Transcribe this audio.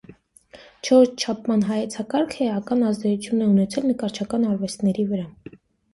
Չորրորդ չափման հայեցակարգը էական ազդեցություն է ունեցել նկարչական արվեստների վրա։